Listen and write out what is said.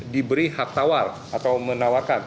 diberi hak tawar atau menawarkan